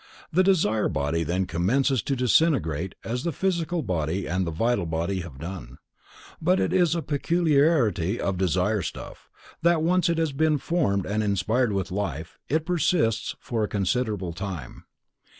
The desire body then commences to disintegrate as the physical body and the vital body have done, but it is a peculiarity of desire stuff, that once it has been formed and inspired with life, it persists for a considerable time.